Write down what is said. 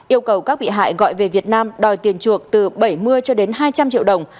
yêu cầu các bị hại gọi về việt nam đòi tiền chuộc từ bảy mươi cho đến hai trăm linh triệu đồng